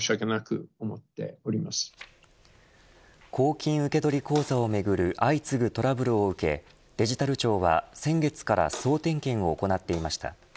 公金受取口座をめぐる相次ぐトラブルを受けデジタル庁は、先月から総点検を行っていました。